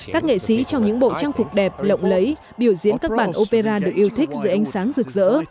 các nghệ sĩ trong những bộ trang phục đẹp lộng lấy biểu diễn các bản opera được yêu thích dưới ánh sáng rực rỡ